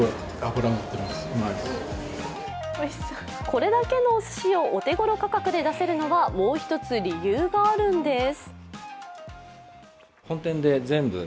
これだけのおすしをお手頃価格で出せるのはもう一つ理由があるんです。